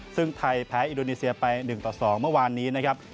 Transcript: ซึ่งไทยแพ้อินโดนีเซียไป๑ต่อ๒เมื่อวานนี้นะครับ